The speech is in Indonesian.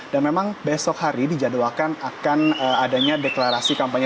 dan memang besok hari dijadwalkan akan adanya deklarasi kampanye